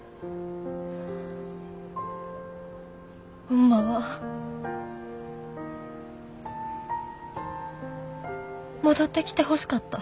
ホンマは戻ってきてほしかった。